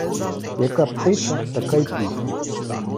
Яка птиця, така й пісня.